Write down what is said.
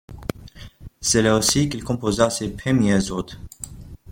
C’est là aussi qu’il composa ses premières odes.